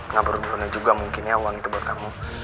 ngabur buruinnya juga mungkinnya uang itu buat kamu